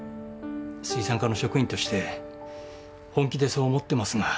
水産課の職員として本気でそう思ってますが。